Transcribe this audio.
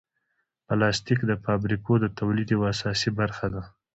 پلاستيک د فابریکو د تولید یوه اساسي برخه ده.